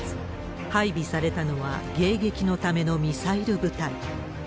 配備されたのは、迎撃のためのミサイル部隊。